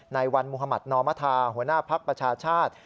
นายวัลมุฮมัธนอมธาหัวหน้าพักประชาชาธิ